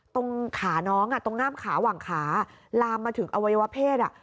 ตรงขาน้องตรงง่ามขาหว่างขาลามมาถึงอวัยวะเพศ